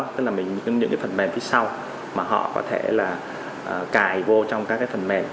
tức là những cái phần mềm phía sau mà họ có thể là cài vô trong các cái phần mềm